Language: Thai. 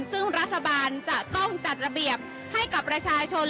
ซึ่งรัฐบาลจะต้องจัดระเบียบให้กับประชาชน